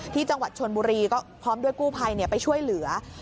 ที่จังหวัดชนบุรีก็พร้อมด้วยกู้ภัยไปช่วยเหลือ